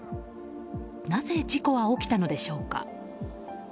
なぜ事故は起きたのでしょうか。